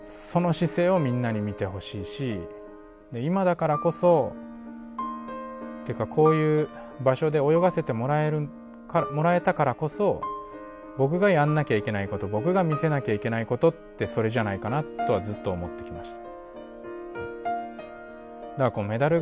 今だからこそっていうかこういう場所で泳がせてもらえたからこそ僕がやんなきゃいけないこと僕が見せなきゃいけないことってそれじゃないかなとはずっと思ってきました。